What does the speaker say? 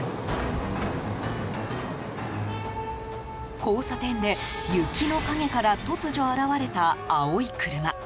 交差点で雪の陰から突如現れた青い車。